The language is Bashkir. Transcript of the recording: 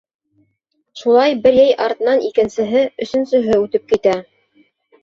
Шулай бер йәй артынан икенсеһе, өсөнсөһө үтеп китә.